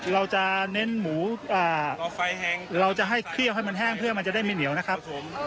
เราจะเน้นหมูเราจะให้เคี่ยวให้มันแห้งเพื่อมันจะได้ไม่เหนียวนะครับผม